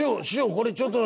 これちょっと」。